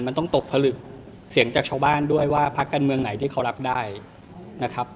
มันต้องตกผลึกเสียงจากชาวบ้านด้วยว่าพักกันเมืองไหนที่เขารักได้นะครับ